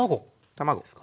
卵ですか。